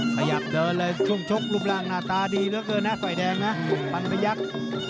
สยับเดินเลยช่วงชกรุบร่างหน้าตาดีเยอะเกินนะไฟแดงนะปันไปยักษ์